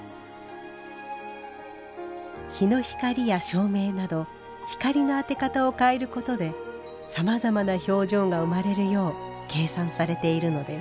日の光や照明など光の当て方を変えることでさまざまな表情が生まれるよう計算されているのです。